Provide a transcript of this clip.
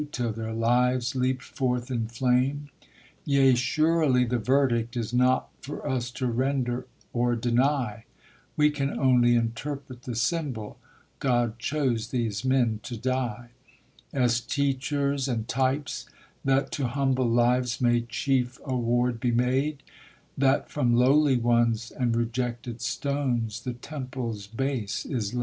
till their lives leaped forth in lame? Yea, sorely, the verdict is not for us to render or deny ; We emu only interpret the symbol; God chose these men to,'i* _ OBC As teachers and types, that to humble lives may chief award be made; That from lowly ones, and rejected stones, the temple's base is